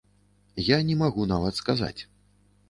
Я не магу нават сказаць.